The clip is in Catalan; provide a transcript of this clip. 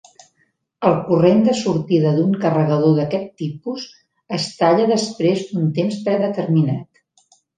El corrent de sortida d'un carregador d'aquest tipus es talla després d'un temps predeterminat.